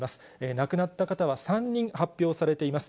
亡くなった方は３人発表されています。